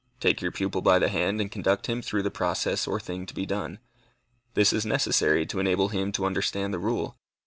Take your pupil by the hand, and conduct him through the process or thing to be done. This is necessary to enable him to understand the rule.